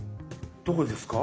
どこですか？